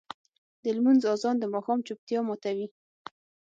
د لمونځ اذان د ماښام چوپتیا ماتوي.